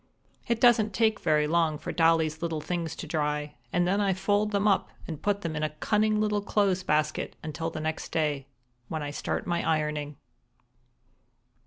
It doesn't take very long for Dolly's little things to dry, and then I fold them up and put them in a cunning little clothes basket until the next day, when I start my ironing.